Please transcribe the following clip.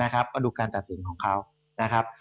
ก็ดูการตัดสินของเขา